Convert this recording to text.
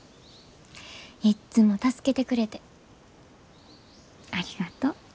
いっつも助けてくれてありがとう。